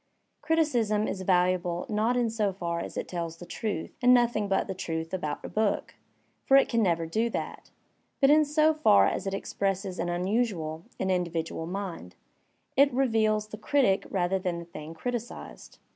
Criticism is valuable not in so far as it tells the truth and nothing but the truth about a book (for it can . never do that), but in so far as it expresses an unusual, an /^ individual mind; it reveals the critic rather than the thing criticised.